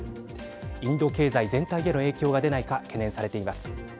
インド経済全体での影響が出ないか懸念されています。